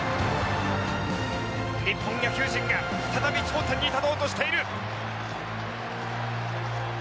日本野球陣が再び頂点に立とうとしている。